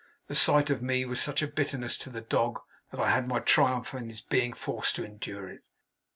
The sight of me was such a bitterness to the dog, that I had my triumph in his being forced to endure it.